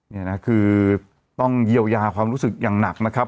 นี่นะคือต้องเยียวยาความรู้สึกอย่างหนักนะครับ